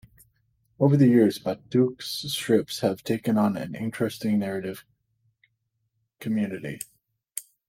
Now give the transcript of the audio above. Over the years, Batiuk's strips have taken on an increasing narrative continuity.